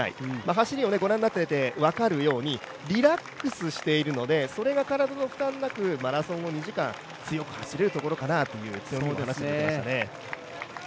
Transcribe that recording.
走りをご覧になってて分かるようにリラックスしているのでそれが体の負担なくマラソンを２時間強く走れるところかなと強みを話していましたね。